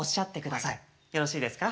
よろしいですか？